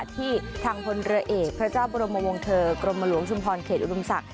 ที่ทางพลเรือเอกพระเจ้าบรมวงเทอร์กรมหลวงชุมพรเขตอุดมศักดิ